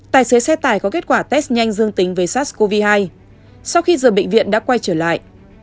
tài xế xe tải có kết quả test nhanh dương tính với sars cov hai sau khi giờ bệnh viện đã quay trở lại